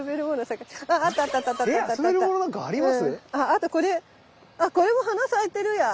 あとこれこれも花咲いてるや。